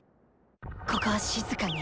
ここは静かに！